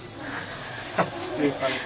指定された。